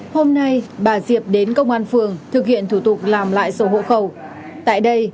hôm nay bà diệp đến công an phường thực hiện thủ tục làm lại sổ hộ khẩu tại đây